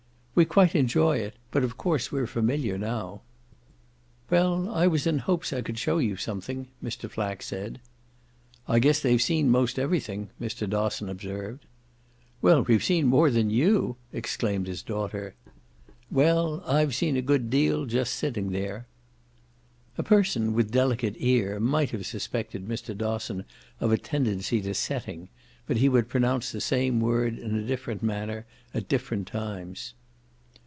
"We quite enjoy it; but of course we're familiar now." "Well, I was in hopes I could show you something," Mr. Flack said. "I guess they've seen most everything," Mr. Dosson observed. "Well, we've seen more than you!" exclaimed his daughter. "Well, I've seen a good deal just sitting there." A person with delicate ear might have suspected Mr. Dosson of a tendency to "setting"; but he would pronounce the same word in a different manner at different times.